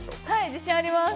自信あります。